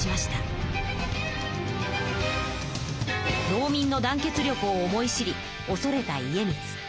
農民の団結力を思い知り恐れた家光。